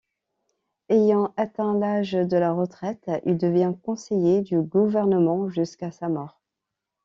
Ayant atteint l'âge de la retraite, il devient conseiller du gouvernement jusqu'à sa mort.